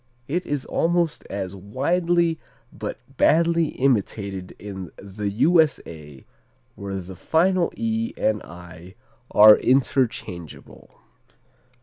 It is almost as widely but badly imitated in the U.S.A., where the final "e" and "i" are interchangeable.